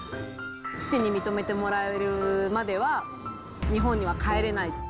父に認めてもらえるまでは日本には帰れない。